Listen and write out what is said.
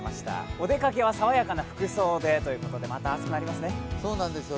お出かけは爽やかな服装でということでまた暑くなりますね？